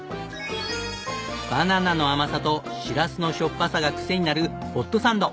バナナの甘さとしらすのしょっぱさがクセになるホットサンド。